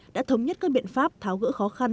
đã thống nhất các biện pháp tháo gỡ khó khăn